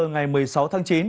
ngày một mươi sáu tháng chín